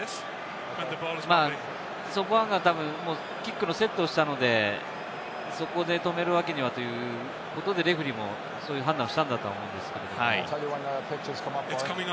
ソポアンガ、多分、キックのセットをしたので、そこで止めるわけにはということで、レフェリーもそういう判断をしたんだと思うんですけれど。